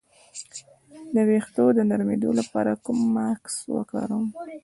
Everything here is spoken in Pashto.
د ویښتو د نرمیدو لپاره کوم ماسک وکاروم؟